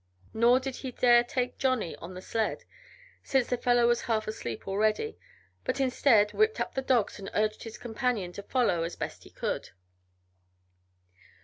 Nor did he dare take Johnny on the sled, since the fellow was half asleep already, but instead whipped up the dogs and urged his companion to follow as best he could.